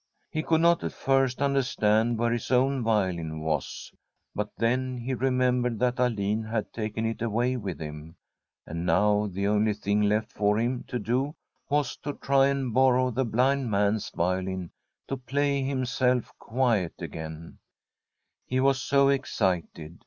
He could not at first understand where his own violin was, but then he remembered that Alin had taken it away with him, and now the only thing left for him to do was to try and borrow the blind man's violin to play himself quiet again ; he was so excited.